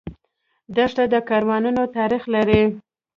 دښته د کاروانونو تاریخ لري.